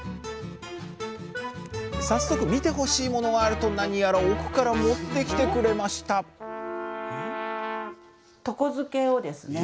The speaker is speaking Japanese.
早速見てほしいものがあると何やら奥から持って来てくれました「床漬け」をですね。